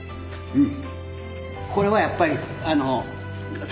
うん。